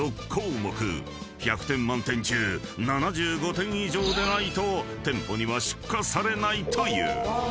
［１００点満点中７５点以上でないと店舗には出荷されないという］